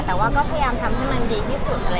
แต่ว่าก็พยายามทำให้มันดีที่สุด